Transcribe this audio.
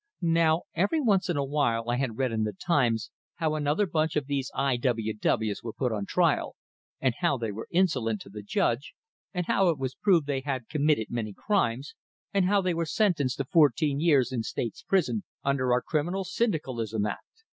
Now, every once in a while I had read in the "Times" how another bunch of these I.W.W's. were put on trial, and how they were insolent to the judge, and how it was proved they had committed many crimes, and how they were sentenced to fourteen years in State's prison under our criminal syndicalism act.